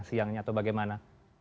siangnya atau bagaimana